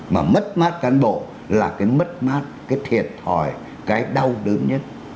mà mất mát cán bộ là cái mất mát cái thiệt thòi cái đau đớn nhất